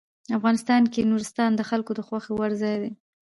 افغانستان کې نورستان د خلکو د خوښې وړ ځای دی.